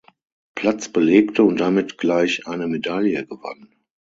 Platz belegte und damit gleich eine Medaille gewann.